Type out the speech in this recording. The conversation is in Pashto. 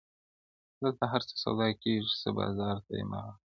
• دلته هرڅه سودا کیږي څه بازار ته یم راغلی -